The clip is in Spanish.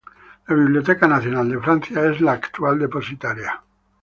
La Biblioteca Nacional de Francia es la actual depositaria.